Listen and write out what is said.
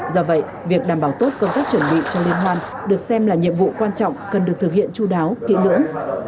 do vậy việc đảm bảo tốt công tác chuẩn bị cho liên hoan được xem là nhiệm vụ quan trọng cần được thực hiện chú đáo kỹ lưỡng